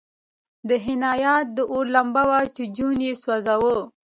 د حنا یاد د اور لمبه وه چې جون یې سوځاوه